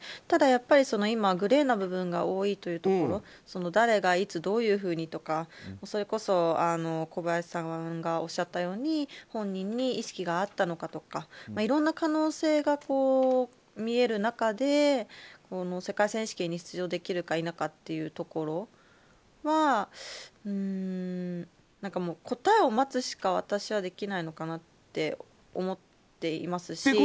ただ、やっぱり今グレーな部分が多いというところ誰がいつ、どういうふうにとかそれこそ小林さんがおっしゃったように本人に意識があったのかとかいろんな可能性が見える中で世界選手権に出場できるか否かというところは答えを待つしか私はできないのかなと思っていますし。